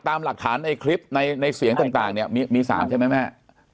ตามหลักฐานในคลิปในเสียงต่างเนี่ยมี๓ใช่ไหมแม่